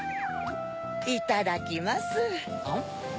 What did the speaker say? いただきます。